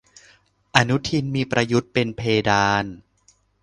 อนุทินมีประยุทธ์เป็นเพดาน